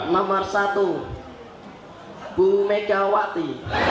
nomor satu bu megawati